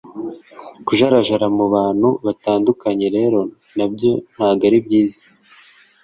Kujarajara mu bantu batandukanye rero nabyo ntago ari byiza